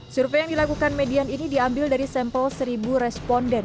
survei yang dilakukan median ini diambil dari sampel seribu responden